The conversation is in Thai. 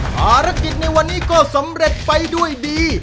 ภารกิจในวันนี้ก็สำเร็จไปด้วยดี